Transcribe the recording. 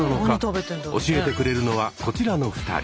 教えてくれるのはこちらの２人。